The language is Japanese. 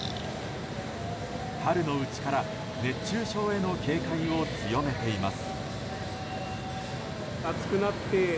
春のうちから、熱中症への警戒を強めています。